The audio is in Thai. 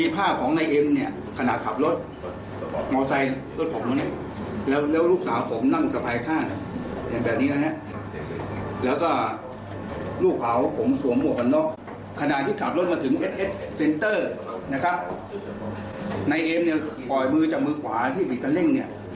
ปล่อยมือจากมือขวาที่ผิดกันเร่งเนี่ย